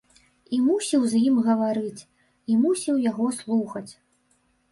І мусіў з ім гаварыць, і мусіў яго слухаць.